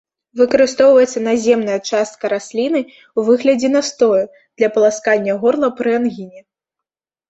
Выкарыстоўваецца наземная частка расліны ў выглядзе настою для паласкання горла пры ангіне.